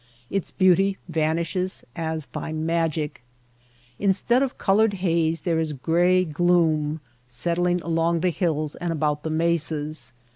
Its beauty vanishes as by magic. Instead of colored haze there is gray gloom settling along the hills and about the mesas.